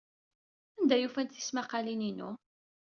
Anda ay ufant tismaqqalin-inu?